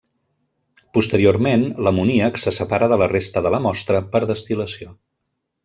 Posteriorment, l'amoníac se separa de la resta de la mostra per destil·lació.